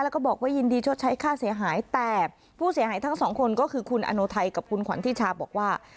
แล้วก็บอกว่ายินดีชดใช้ค่าเสียหายแต่ผู้เสียหายทั้งสองคนก็คือคุณอโนไทยกับคุณขวัญทิชาบอกว่า